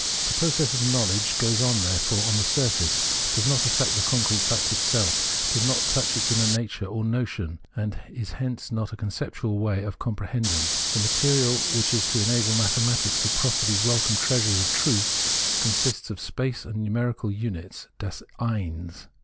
The process of know ledge goes on, therefore, on the surface, does not affect the concrete fact itself, does not touch its inner nature or notion, and is hence not a conceptual way of com prehendmg. The material which is to enable mathe matics to proffer these welcome treasures of truth consists of space and nmnerical units {das Eins).